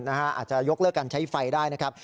อาจจะยกเลิกการใช้ไฟได้นะครับ